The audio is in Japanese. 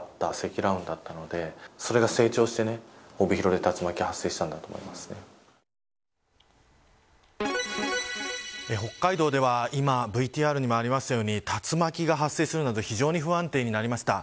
さらに、発生の原因については。北海道では今、ＶＴＲにもありましたように竜巻が発生するなど非常に不安定になりました。